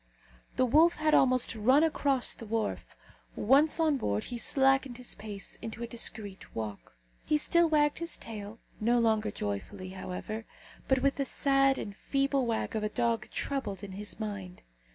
The wolf had almost run across the wharf; once on board, he slackened his pace into a discreet walk. He still wagged his tail no longer joyfully, however, but with the sad and feeble wag of a dog troubled in his mind.